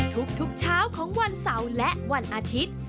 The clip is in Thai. ทุกเช้าของวันเสาร์และวันอาทิตย์